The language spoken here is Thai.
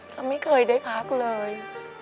แล้วไม่เคยได้พักเลย